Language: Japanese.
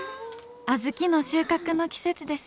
小豆の収穫の季節です。